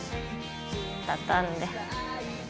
畳んで。